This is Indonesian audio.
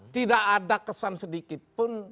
tidak ada kesan sedikit pun